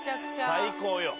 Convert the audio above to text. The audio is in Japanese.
最高よ。